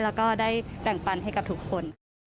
แล้วก็ได้แบ่งปันให้กับทุกคน